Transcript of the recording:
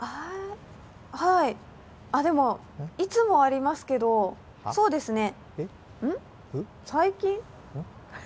はい、でもいつもありますけど、そうですね。